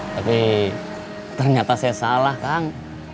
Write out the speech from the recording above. tapi ternyata saya salah kang